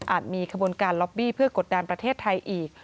มีขบวนการล็อบบี้เพื่อกดดันประเทศไทยอีก